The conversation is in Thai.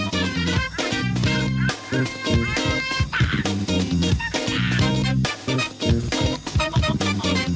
สวัสดีค่ะ